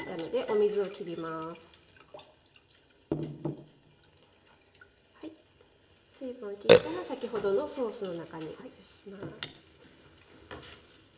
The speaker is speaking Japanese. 水分をきったら先ほどのソースの中に移します。